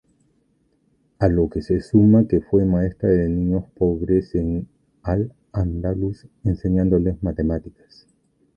A lo que suma que fue maestra de niños pobres en al-Ándalus, enseñándoles matemáticas.